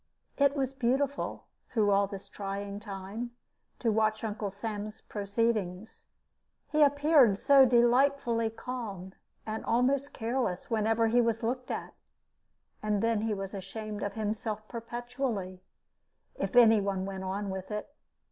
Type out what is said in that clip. It was beautiful, through all this trying time, to watch Uncle Sam's proceedings: he appeared so delightfully calm and almost careless whenever he was looked at. And then he was ashamed of himself perpetually, if any one went on with it.